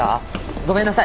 ごめんなさい